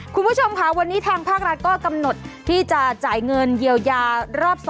คุณผู้ชมค่ะวันนี้ทางภาครัฐก็กำหนดที่จะจ่ายเงินเยียวยารอบ๒